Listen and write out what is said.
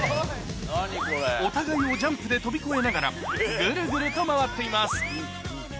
お互いをジャンプで飛び越えながらぐるぐると回っています